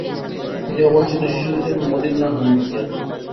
তিনি অবাঞ্ছিত শিশুদের জন্য মদিনা হোম খোলেন।